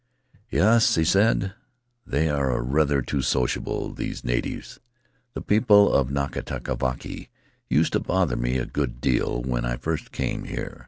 "Yes," he said, "they are rather too sociable, these natives. The people of Nukatavake used to bother me a good deal when I first came here.